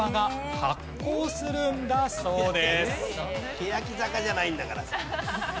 けやき坂じゃないんだからさ。